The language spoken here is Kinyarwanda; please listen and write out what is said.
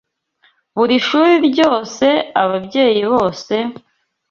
buri shuri ryose, ababyeyi bose,